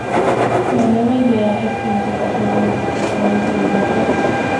La nueva idea es que no sea posible el desprendimiento de los motores.